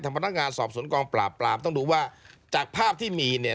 พนักงานสอบสวนกองปราบปรามต้องดูว่าจากภาพที่มีเนี่ย